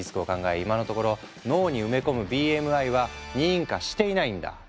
今のところ脳に埋め込むＢＭＩは認可していないんだ。